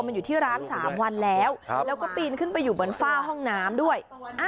มันอยู่ที่ร้าน๓วันแล้วแล้วก็ปีนขึ้นไปอยู่บนฝ้าห้องน้ำด้วย